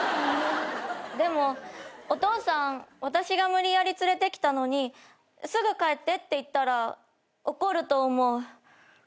でもお父さん私が無理やり連れてきたのにすぐ帰ってって言ったら怒ると思う。